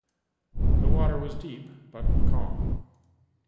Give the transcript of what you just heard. The water was deep, but calm.